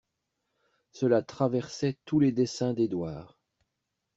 Cela traversait tous les desseins d'Édouard.